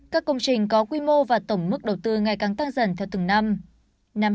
các công trình có quy mô và tổng mức đầu tư ngày càng tăng dần theo từng năm